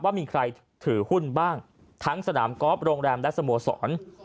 ว่ามีใครถือหุ้นบ้างทั้งสนามกอล์ฟโรงแรมและสโมสร